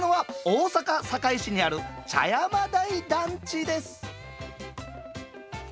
やってきたのは大阪、堺市にある茶山台団地です。